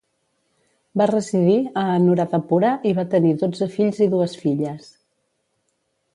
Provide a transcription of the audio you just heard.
Va residir a Anuradhapura i va tenir dotze fills i dues filles.